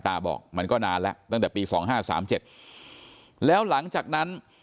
บอกมันก็นานแล้วตั้งแต่ปีสองห้าสามเจ็ดแล้วหลังจากนั้น